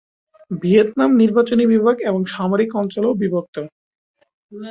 Vietnam নির্বাচনী বিভাগ এবং সামরিক অঞ্চলেও বিভক্ত।